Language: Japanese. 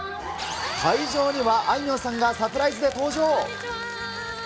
会場にはあいみょんさんがサプラこんにちは。